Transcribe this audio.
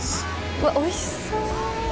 うわおいしそう！